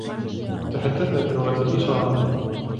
تحدثنا بلغة الإشارة.